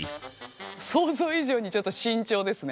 想像以上にちょっと慎重ですね。